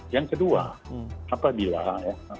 yang kedua apabila sudah terjadi